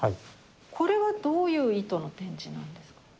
これはどういう意図の展示なんですか？